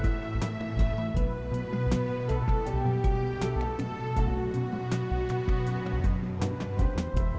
saya juga ingin mencoba